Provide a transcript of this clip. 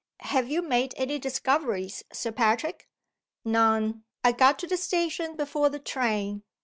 Have you made any discoveries, Sir Patrick?" "None. I got to the station before the train.